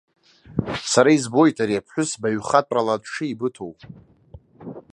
Сара избоит ари аԥҳәыс баҩхатәрала дшеибыҭоу.